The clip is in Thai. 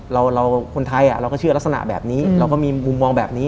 เราคนไทยเราก็เชื่อลักษณะแบบนี้เราก็มีมุมมองแบบนี้